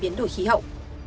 bộ biến đổi khí hậu